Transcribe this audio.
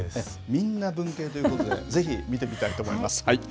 みんな文系ということで、ぜひ見てみたいと思います。